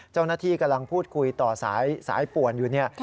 เจ้าหน้าที่กำลังพูดคุยต่อสายป่วนอยู่เนี่ย